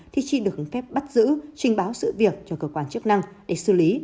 thì chỉ được phép bắt giữ trình báo sự việc cho cơ quan chức năng để xử lý